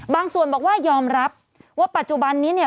บางส่วนบอกว่ายอมรับว่าปัจจุบันนี้